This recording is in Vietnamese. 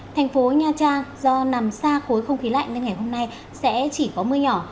thành phố nha trang do nằm xa khối không khí lạnh nên ngày hôm nay sẽ chỉ có mưa nhỏ